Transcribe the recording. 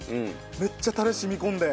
めっちゃタレ染み込んで。